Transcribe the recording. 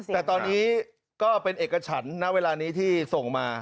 แต่ตอนนี้ก็เป็นเอกฉันณเวลานี้ที่ส่งมา